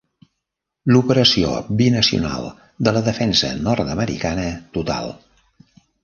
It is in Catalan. L"operació binacional de la Defensa nord-americana total.